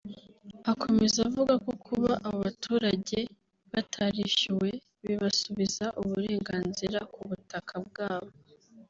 Akomeza avuga ko kuba abo baturage batarishyuwe bibasubiza uburenganzira ku butaka bwa bo